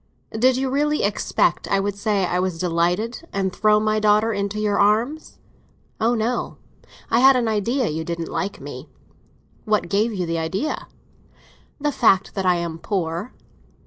"Did you really expect I would say I was delighted, and throw my daughter into your arms?" "Oh no; I had an idea you didn't like me." "What gave you the idea?" "The fact that I am poor."